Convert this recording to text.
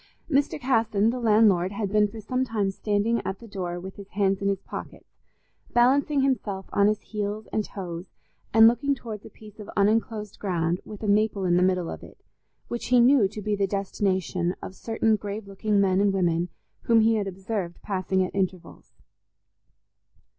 Mr. Casson, the landlord, had been for some time standing at the door with his hands in his pockets, balancing himself on his heels and toes and looking towards a piece of unenclosed ground, with a maple in the middle of it, which he knew to be the destination of certain grave looking men and women whom he had observed passing at intervals.